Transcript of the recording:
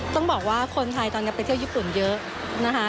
ต้องบอกว่าคนไทยตอนนี้ไปเที่ยวญี่ปุ่นเยอะนะคะ